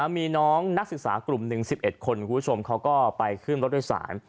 มีน้องนักศึกษากลุ่มหนึ่ง๑๑คนคุณผู้ชมเขาก็ไปขึ้นรถโดยสาร